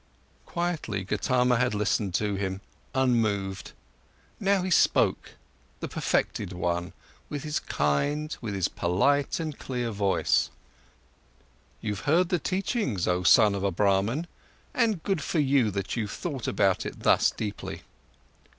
Quietly, Gotama had listened to him, unmoved. Now he spoke, the perfected one, with his kind, with his polite and clear voice: "You've heard the teachings, oh son of a Brahman, and good for you that you've thought about it thus deeply.